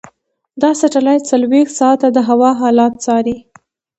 دا سټلایټ څلورویشت ساعته د هوا حالت څاري.